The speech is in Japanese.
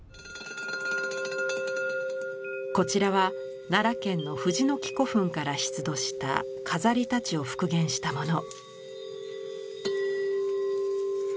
こちらは奈良県の藤ノ木古墳から出土した「飾り大刀」を復元したもの。